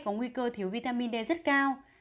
có nguy cơ thiếu vitamin d rất cao